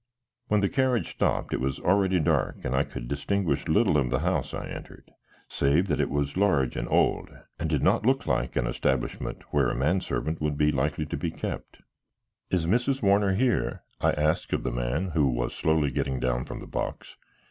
When the carriage stopped it was already dark and I could distinguish little of the house I entered, save that it was large and old and did not look like an establishment where a man servant would be likely to be kept. "Is Mrs. Warner here?" I asked of the man who was slowly getting down from the box.